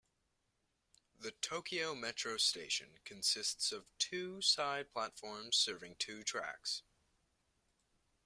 The Tokyo Metro station consists of two side platforms serving two tracks.